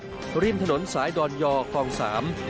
ตกคลองส่งน้ำทริมถนนสายดอนยอคลองสาม